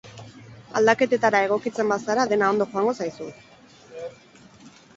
Aldaketetara egokitzen bazara dena ondo joango zaizu.